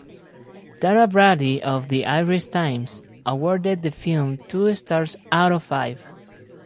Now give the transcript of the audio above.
Tara Brady of "The Irish Times" awarded the film two stars out of five.